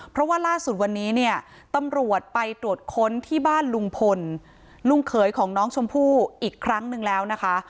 เพราะว่าล่าสุดวันนี้เนี่ยตำรวจไปตรวจค้นที่บ้านลุงพลลุงเขยของน้องชมพู่อีกครั้งหนึ่งแล้วนะคะ